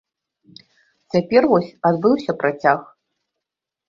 Цяпер вось адбыўся працяг.